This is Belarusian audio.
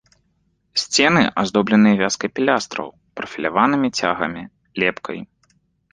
Сцены аздобленыя вязкай пілястраў, прафіляванымі цягамі, лепкай.